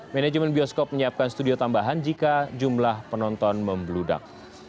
manajemen bioskop menyiapkan studio tambahan jika jumlah penonton membludak